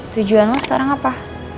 tujuan lo sekarang apa